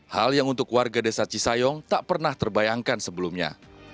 hal yang untuk warga desa cisayong tak pernah terbayangkan sebelumnya